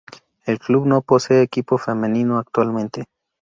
El Club no posee equipo femenino actualmente.